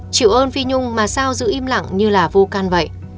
chịu ơn phi nhung mà sao giữ im lặng như là vô can vậy